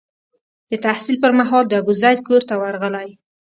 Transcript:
د تحصیل پر مهال د ابوزید کور ته ورغلی.